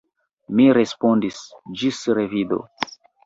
Mi respondis: «Ĝis revido! »